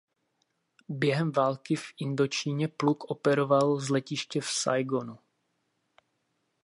Během války v Indočíně pluk operoval z letiště v Saigonu.